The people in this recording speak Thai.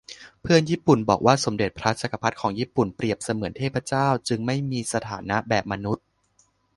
เพื่อนญี่ปุ่นบอกว่าสมเด็จพระจักรพรรดิของญี่ปุ่นเปรียบเสมือนเทพเจ้า จึงไม่มีสถานะแบบมนุษย์